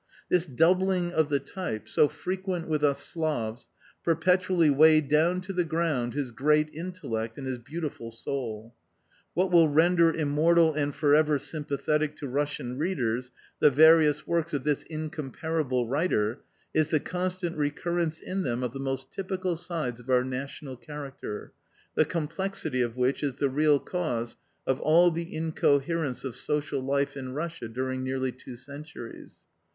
This doubling of the type, so frequent with us Slavs, perpetually weighed down to the ground his great intellect and his beautiful soul. What will render immortal and for ever sympathetic to Russian readers the various works of this incomparable writer, is the constant recurrence in them of the most typical sides of our national character, the complexity of which is the real cause of all the incoherence of social life in Russia during nearly two centuries.